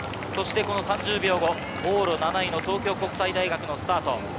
そして３０秒後、往路７位の東京国際大学のスタート。